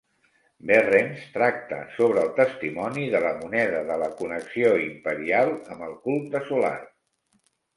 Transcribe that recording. Berrens tracta sobre el testimoni de la moneda de la connexió imperial amb el culte solar.